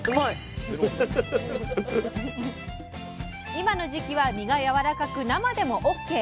今の時期は身がやわらかく生でもオッケー。